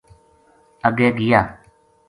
اَگے گیا